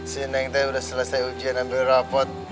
si neng tuh udah selesai ujian ambil rapat